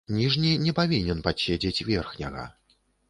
Ніжні не павінен падседзець верхняга.